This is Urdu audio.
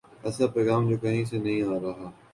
ایسا پیغام جو کہیں سے نہیں آ رہا۔